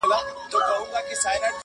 دا ئې گز، دا ئې ميدان.